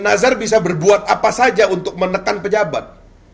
nazar bisa berbuat apa saja untuk menekan pejabat